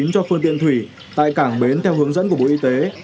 cho phương tiện thủy tại cảng bến theo hướng dẫn của bộ y tế